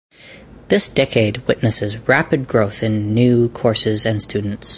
This decade witnesses rapid growth in new courses and students.